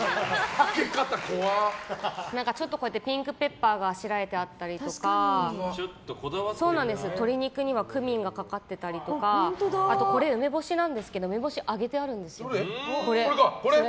例えば、ちょっとピンクペッパーがあしらってあったりとか鶏肉にはクミンがかかってたりとかこれ、梅干しなんですけどこれ、揚げてあるんですよ。